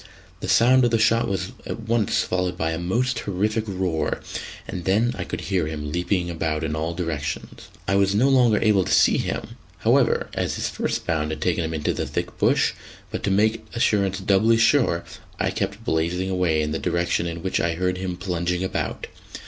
The sound of the shot was at once followed by a most terrific roar, and then I could hear him leaping about in all directions. I was no longer able to see him, however, as his first bound had taken him into the thick bush; but to make assurance doubly sure, I kept blazing away in the direction in which I heard him plunging about.